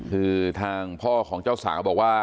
คือทางพ่อของเจ้าสาวบอกว่า